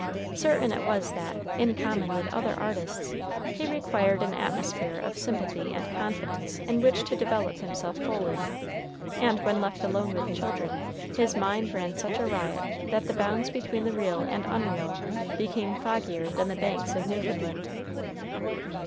Certain it was that, in common with other artists, he required an atmosphere of sympathy and confidence in which to develop himself fully; and, when left alone with children, his mind ran such riot, that the bounds between the real and unreal became foggier than the banks of Newfoundland.